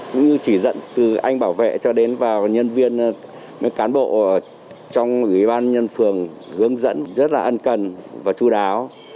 cũng như chỉ dẫn từ anh bảo vệ cho đến nhân viên cán bộ trong ubnd phường hướng dẫn rất là ân cần và chú đáo